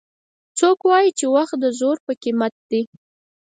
څوک وایي چې وخت د زرو په قیمت ده